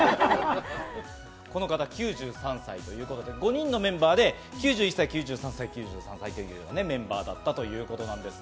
この方、９３歳ということで、５人のメンバーで９１歳、９３歳、９３歳というメンバーだったということです。